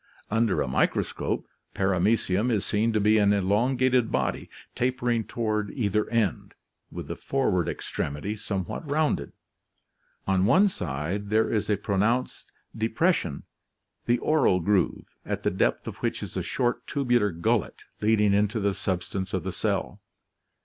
Under a microscope, Par amecium (see Fig. 2) is seen to be an elongated body tapering toward either end, with the forward ex tremity somewhat rounded. On one side there is a pronounced de c pression, the oral groove, at the depth of which is a short tubular gullet leading into the substance of the cell.